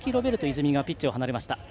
泉がピッチを離れました。